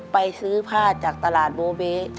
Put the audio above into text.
ไปซื้อผ้าจากตลาดโบเบ๊